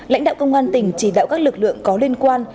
lãnh đạo công an tỉnh chỉ đạo các lực lượng có liên quan